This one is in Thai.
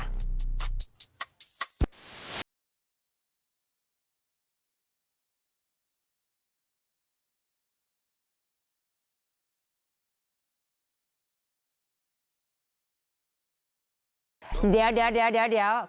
เผอร์เหรอเดี๋ยว